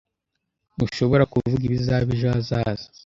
Ntushobora kuvuga ibizaba ejo hazaza.